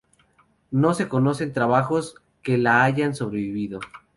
No se conocen trabajos que la hayan sobrevivido.